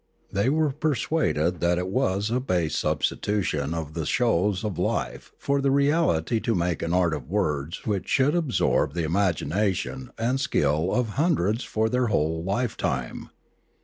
They were per suaded that it was a base substitution of the shows of life for the reality to make an art of words which should absorb the imagination and the skill of hundreds for their whole lifetime.